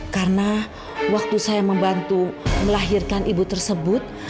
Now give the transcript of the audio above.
karena waktu saya membantu melahirkan ibu tersebut